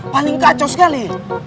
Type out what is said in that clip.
paling kacau sekali